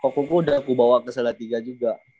kokoku udah aku bawa ke salatiga juga